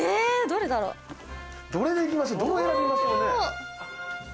どう選びましょうね。